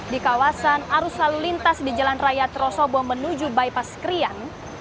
di kawasan arus lalu lintas di jalan raya trosobo menuju bypass krian